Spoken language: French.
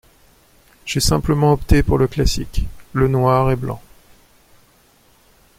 J’ai simplement opté pour le classique: le noir et blanc.